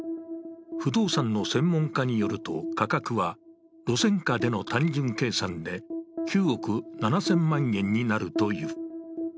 不動産の専門家によると、価格は路線価での単純計算で９億７０００万円になるという。